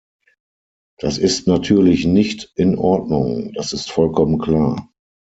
Das ist natürlich nicht in Ordnung, das ist vollkommen klar.